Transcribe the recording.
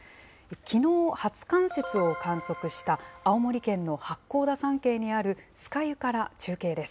きのう、初冠雪を観測した青森県の八甲田山系にある酸ヶ湯から中継です。